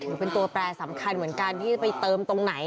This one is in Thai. หรือเป็นตัวแปรสำคัญเหมือนกันที่จะไปเติมตรงไหน